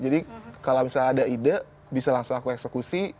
jadi kalau misalnya ada ide bisa langsung aku eksekusi